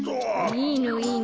いいのいいの。